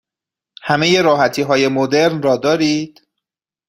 همه راحتی های مدرن را دارید؟